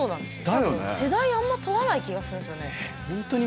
多分世代あんま問わない気がするんすよね。